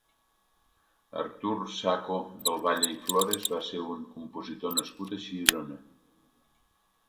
Artur Saco del Valle i Flores va ser un compositor nascut a Girona.